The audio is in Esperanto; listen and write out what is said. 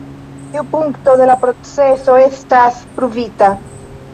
Tiu punkto de la proceso estas pruvita.